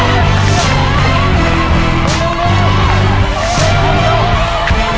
พิมพ์พิมพ์พิมพ์มาช่วยหน่อยก็ได้นะ